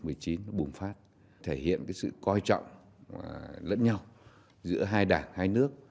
đại dịch covid một mươi chín bùng phát thể hiện sự coi trọng lẫn nhau giữa hai đảng hai nước